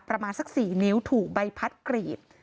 ประมาณสัก๔นิ้วถูกใบพัดกรีด